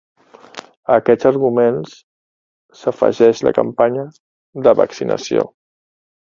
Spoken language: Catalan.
A aquests arguments s’afegeix la campanya de vaccinació.